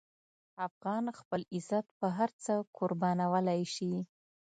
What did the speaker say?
افغان خپل عزت په هر څه قربانولی شي.